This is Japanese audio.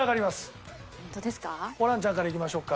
ホランちゃんからいきましょうか。